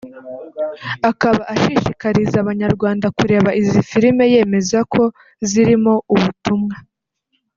akaba ashishikariza Abanyarwanda kureba izi filime yemeza ko zirimo ubutumwa